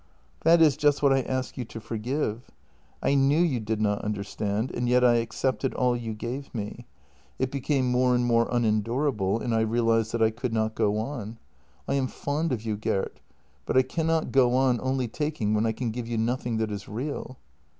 " That is just what I ask you to forgive — I knew you did not understand, and yet I accepted all you gave me. It became JENNY 230 more and more unendurable, and I realized that I could not go on. I am fond of you, Gert, but I cannot go on only taking when I can give you nothing that is real."